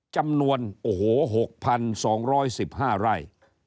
จำนวน๖๒๑๕ไร่